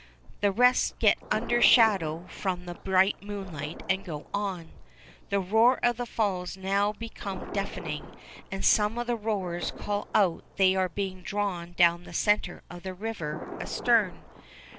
The rest get under shadow from the bright moonlight and go on. The roar of the Falls now became deafening, and some of the rowers called out they were being drawn down the center of the river astern.